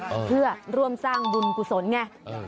เออเพื่อร่วมสร้างบุญปุศลไงเออ